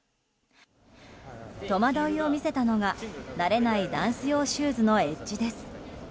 戸惑いを見せたのが慣れないダンス用シューズのエッジです。